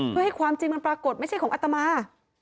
เพื่อให้ความจริงมันปรากฏไม่ใช่ของอัตมา